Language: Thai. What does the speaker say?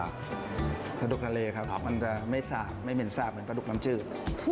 กระดูกทะเลครับมันจะไม่สาบไม่เหม็นสาบเหมือนกระดูกน้ำจืด